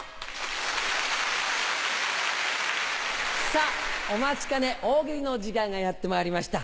さぁお待ちかね大喜利の時間がやってまいりました。